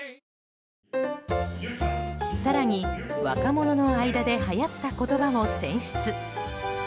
更に若者の間ではやった言葉も選出。